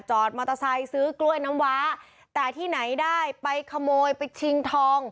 มอเตอร์ไซค์ซื้อกล้วยน้ำว้าแต่ที่ไหนได้ไปขโมยไปชิงทอง